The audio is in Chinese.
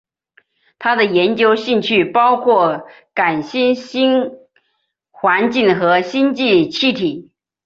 他的研究兴趣包括超新星环境和星际气体。